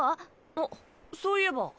あっそういえば。